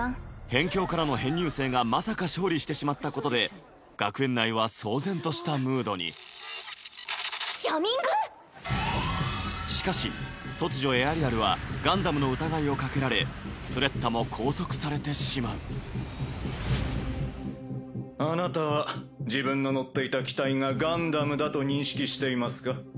辺境からの編入生がまさか勝利してしまったことで学園内は騒然としたムードにザザザッジャミング⁉しかし突如エアリアルはガンダムの疑いをかけられスレッタも拘束されてしまうあなたは自分の乗っていた機体がガンダムだと認識していますか？